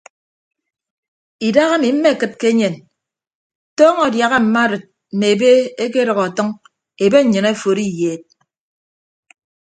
Idaha ami mmekịd ke enyen tọọñọ adiaha mma arịd mme ebe ekedʌk ọtʌñ ebe nnyịn aforo iyeed.